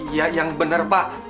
ya yang benar pak